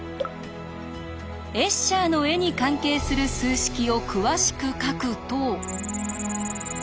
エッシャーの絵に関係する数式を詳しく書くと。